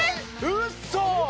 ウソ？